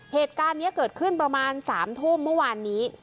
เหตุการณ์นี้เกิดขึ้นประมาณ๓ทุ่มเมื่อวานนี้